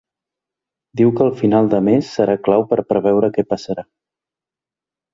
Diu que el final de mes serà clau per a preveure què passarà.